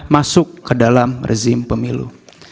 masuk ke dalam rezim pemilu